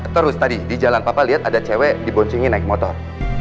terus tadi di jalan papa lihat ada cewek diboncengin naik motor